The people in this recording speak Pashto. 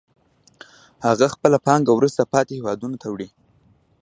هغه خپله پانګه وروسته پاتې هېوادونو ته وړي